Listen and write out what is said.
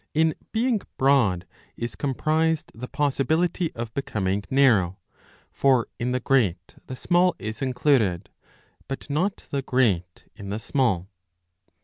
In being broad is comprised the possibility of becoming narrow ; for in the great the small is included, but not the great in the small.